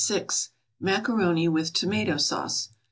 =Macaroni with Tomato Sauce.